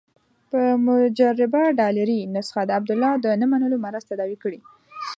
په مجربه ډالري نسخه د عبدالله د نه منلو مرض تداوي کړي.